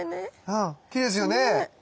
うんきれいですよね。